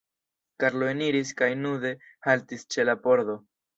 Karlo eniris kaj nude haltis ĉe la pordo.